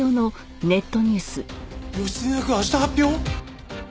義経役明日発表！？